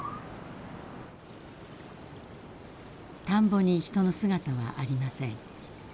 田んぼに人の姿はありません。